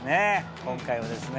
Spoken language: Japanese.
今回はですね